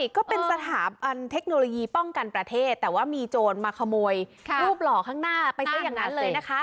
ก็เป็นสถาบันเทคโนโลยีป้องกันประเทศแต่ว่ามีโจรมาขโมยรูปหล่อข้างหน้าไปซะอย่างนั้นเลยนะคะ